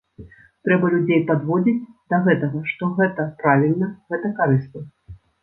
Трэба людзей падводзіць да гэтага, што гэта правільна, гэта карысна.